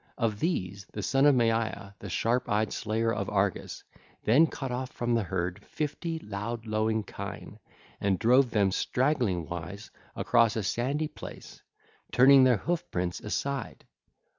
Of these the Son of Maia, the sharp eyed slayer of Argus then cut off from the herd fifty loud lowing kine, and drove them straggling wise across a sandy place, turning their hoof prints aside.